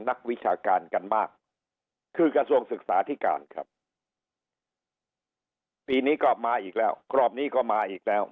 นักวิชาการกันมากคือกระทรวงศึกษาที่การครับปีนี้ก็มาอีกแล้วกรอบนี้ก็มาอีกแล้ว